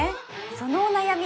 そのお悩み